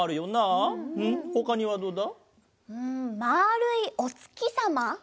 まるいおつきさま。